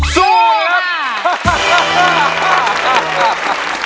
สู้ครับ